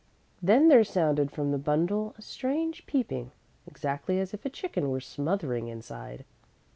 Then there sounded from the bundle a strange peeping, exactly as if a chicken were smothering inside.